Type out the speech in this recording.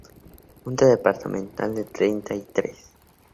Junta Departamental de Treinta y Tres.